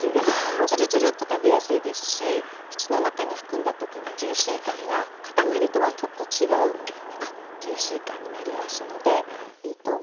つるつるっと食べやすいですし口の中に含んだ時のジューシー感が塊とはちょっと違うジューシー感になりますのでいいと思います。